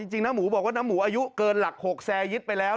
น้าหมูบอกว่าน้ำหมูอายุเกินหลัก๖แซยึดไปแล้ว